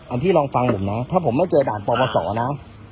ไอพี่ลองฟังผมนะถ้าผมแล้วเจอด่านปปสนะ